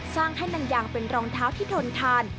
สร้างให้มันยางเป็นรองเท้าที่ทนทาน